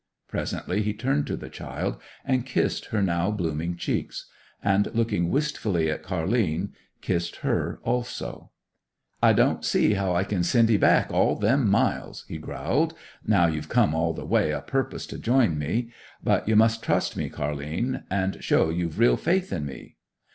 Presently he turned to the child and kissed her now blooming cheeks; and, looking wistfully at Car'line, kissed her also. 'I don't see how I can send 'ee back all them miles,' he growled, 'now you've come all the way o' purpose to join me. But you must trust me, Car'line, and show you've real faith in me.